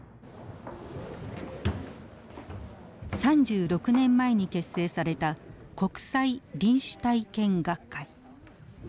３６年前に結成された国際臨死体験学会。